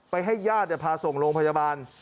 ให้ญาติพาส่งโรงพยาบาล